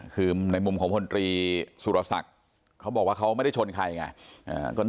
คือในมุมของพลตรีสุรศักดิ์เขาบอกว่าเขาไม่ได้ชนใครไง